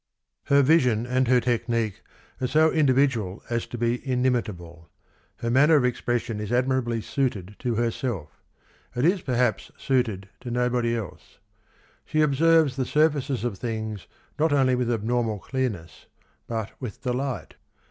" Her vision and her technique are so individual as to be inimitable. Her manner of expression is admirably suited to herself ; it is perhaps suited to nobody else. ... She observes the surfaces of things not only with abnormal clearness, but with delight.